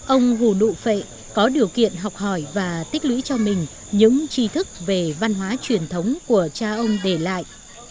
ông hù nụ vệ có điều kiện học hỏi và tích lũy cho mình những chi thức về văn hóa truyền thống của cha ông để lại